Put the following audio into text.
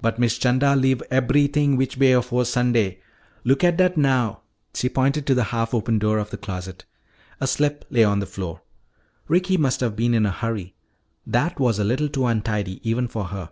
But Miss 'Chanda leave eberythin' which way afore Sunday! Looka dat now." She pointed to the half open door of the closet. A slip lay on the floor. Ricky must have been in a hurry; that was a little too untidy even for her.